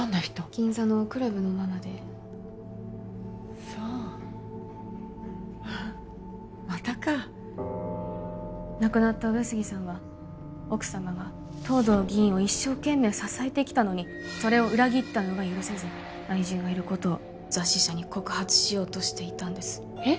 銀座のクラブのママでそうフッまたか亡くなった上杉さんは奥様は藤堂議員を一生懸命支えてきたのにそれを裏切ったのが許せず愛人がいることを雑誌社に告発しようとしていたんですえっ？